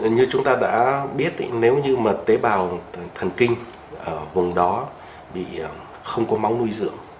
như chúng ta đã biết nếu như tế bào thần kinh vùng đó không có máu nuôi dưỡng